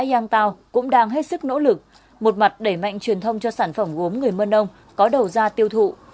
yang tao cũng đang hết sức nỗ lực một mặt đẩy mạnh truyền thông cho sản phẩm gốm người mân âu có đầu ra tiêu thụ